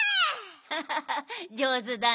ハハハじょうずだねえ。